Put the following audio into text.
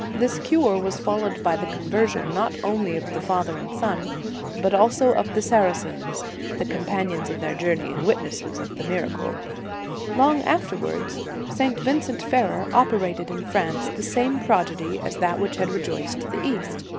This cure was fol lowed by the conversion, not only of the father and son, but also of the Saracens, the companions of their journey and witnesses of the miracle. Long afterwards, St. Vincent Ferrer ope * Vila, c. xlvi. In the Nineteenth Century. 167 rated in France the same prodigy as that which had rejoiced the East.